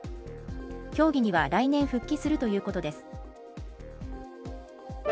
競技には来年復帰するということです。